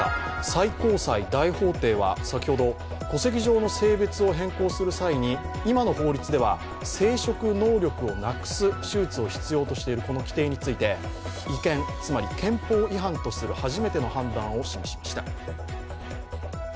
最高裁大法廷は、先ほど戸籍上の性別を変更する際に今の法律では生殖能力をなくす手術を必要としている規定について違憲、つまり憲法違反とする初めての判断を示しました。